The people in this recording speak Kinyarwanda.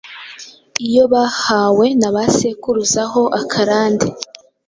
iyo bahawe na ba sekuruza ho akarande,